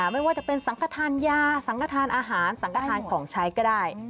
ไม่ว่าจะเป็นสังขทานยาสังกระทานอาหารสังขทานของใช้ก็ได้